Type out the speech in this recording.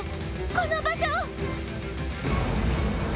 この場所を。